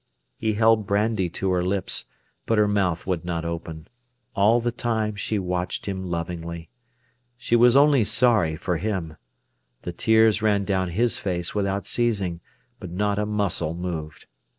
He held brandy to her lips, but her mouth would not open. All the time she watched him lovingly. She was only sorry for him. The tears ran down his face without ceasing, but not a muscle moved.